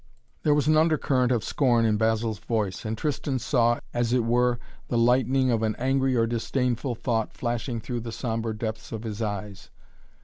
There was an undercurrent of scorn in Basil's voice and Tristan saw, as it were, the lightning of an angry or disdainful thought flashing through the sombre depths of his eyes.